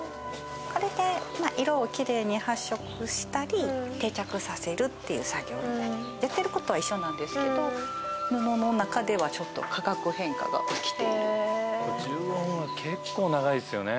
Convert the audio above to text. これで色をきれいに発色したり定着させるっていう作業になりますやってることは一緒なんですけどうん布のなかではちょっと化学変化が起きている１５分は結構長いっすよね